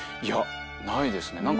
いやないですね。